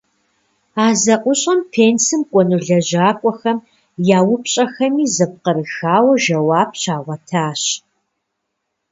А зэӏущӏэм пенсым кӏуэну лэжьакӏуэхэм я упщӀэхэми зэпкърыхауэ жэуап щагъуэтащ.